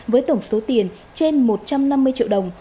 với tổng số tiền trên một trăm năm mươi triệu đồng